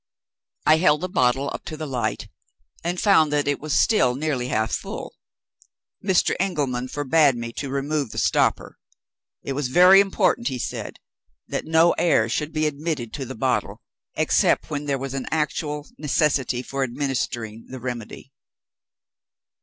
I held the bottle up to the light, and found that it was still nearly half full. Mr. Engelman forbade me to remove the stopper. It was very important, he said, that no air should be admitted to the bottle, except when there was an actual necessity for administering the remedy.